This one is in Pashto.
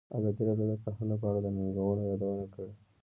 ازادي راډیو د کرهنه په اړه د ننګونو یادونه کړې.